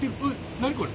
何これ！